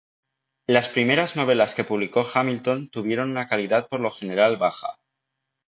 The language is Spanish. Las primeras novelas que publicó Hamilton tuvieron una calidad por lo general baja.